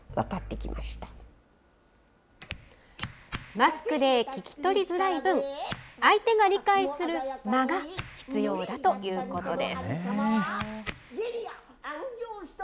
マスクで聞き取りづらい分、相手が理解する間が必要だということです。